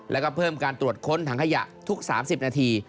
แล้วก็เพิ่มการตรวจค้นถังขยะทุก๓๐นาที